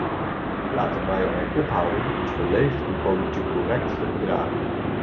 Laten wij ermee ophouden ons beleefd en politiek correct te gedragen.